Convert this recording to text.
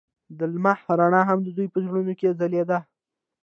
د لمحه رڼا هم د دوی په زړونو کې ځلېده.